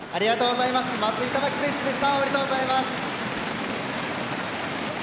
松井珠己選手でした。